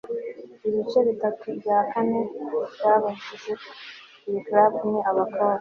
ibice bitatu bya kane byabagize iyi club ni abakobwa